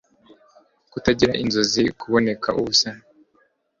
kutagira inzozi, kuboneka ubusa